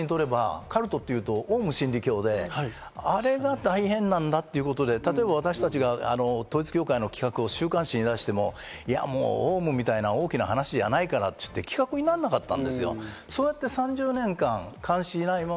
だから私たちにとればカルトというとオウム真理教で、あれが大変なんだということで例えば私たちが統一教会の企画を週刊誌に出しても、いやもう、オウムみたいな大きな話じゃないからって言ってき企画にならなかった。